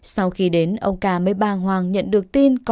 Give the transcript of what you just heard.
sau khi đến ông km ba hoàng nhận được tin